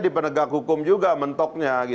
di penegak hukum juga mentoknya